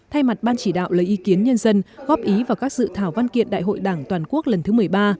thay mặt ban chỉ đạo lấy ý kiến nhân dân góp ý vào các dự thảo văn kiện đại hội đảng toàn quốc lần thứ một mươi ba